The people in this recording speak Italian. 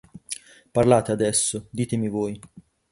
Parlate adesso, ditemi voi.